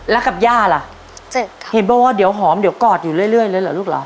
แล้วกับย่าล่ะเจ็บครับเห็นป่ะว่าเดี๋ยวหอมเดี๋ยวกอดอยู่เรื่อยเรื่อยเลยเหรอลูกล่ะ